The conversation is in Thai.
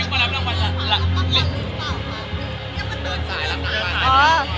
นี่มันเดินสายล่ะ